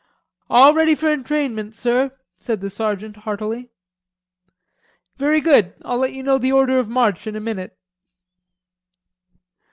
"All ready for entrainment, sir," said the sergeant heartily. "Very good, I'll let you know the order of march in a minute."